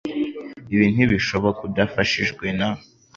Ibi ntibishoboka udafashijwe na